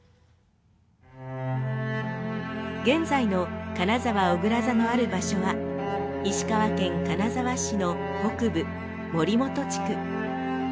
現在の金沢おぐら座のある場所は石川県金沢市の北部森本地区。